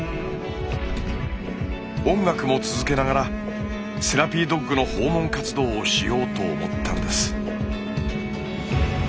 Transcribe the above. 音楽も続けながらセラピードッグの訪問活動をしようと思ったんです。